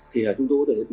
thì là chúng tôi